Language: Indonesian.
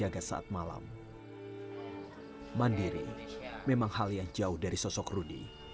itu saat malem kemudian dia juga menyembuni dia dan mengin residential begini